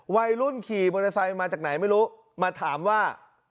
วัยรุ่นขี่บริษัทมาจากไหนไม่รู้มาถามว่า